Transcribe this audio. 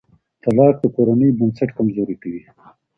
طلاق د کورنۍ بنسټ کمزوری کوي.